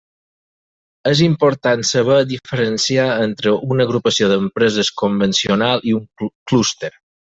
És important saber diferenciar entre una agrupació d'empreses convencionals i un clúster.